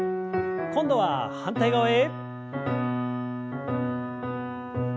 今度は反対側へ。